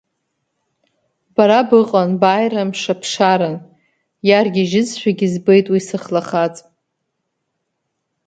Бара быҟан, бааира мшаԥшаран, иаргьежьызшәагь збеит уи сыхлахаҵ.